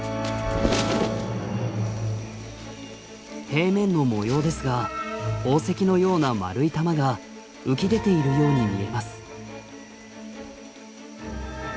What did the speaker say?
平面の模様ですが宝石のような丸い玉が浮き出ているように見えます。